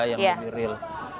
yang lebih real